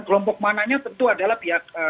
kelompok mananya tentu adalah pihak